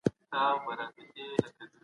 ډېر کسان له روژې وروسته سګریټ څکوي.